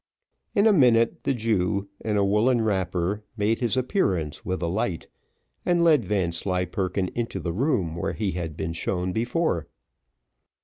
In a minute the Jew, in a woollen wrapper, made his appearance with a light, and led Vanslyperken into the room where he had been shown before.